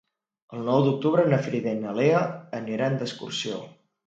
El nou d'octubre na Frida i na Lea aniran d'excursió.